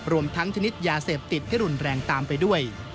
รวมทั้งชนิดยาเสพติดที่รุนแรงตามไปด้วย